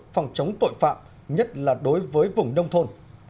phòng chống tội phạm nhất là đối với vùng nông thôn